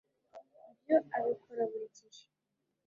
Ibyo abikora buri gihe